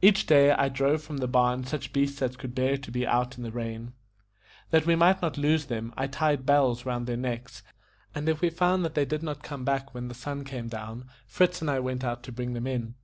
Each day I drove from the barn such beasts as could bear to be out in the rain. That we might not lose them, I tied bells round their necks; and if we found that they did not come back when the sun went down, Fritz and I went out to bring them in.